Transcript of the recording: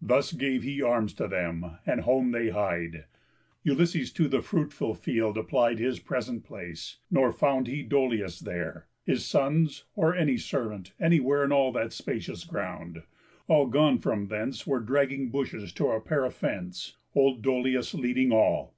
Thus gave he arms to them, and home they hied. Ulysses to the fruitful field applied His present place; nor found he Dolius there, His sons, or any servant, anywhere In all that spacious ground; all gone from thence Were dragging bushes to repair a fence, Old Dolius leading all.